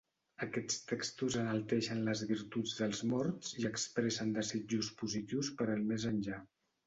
Aquests textos enalteixen les virtuts dels morts i expressen desitjos positius per al més enllà.